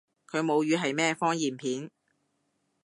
佢母語係咩方言片？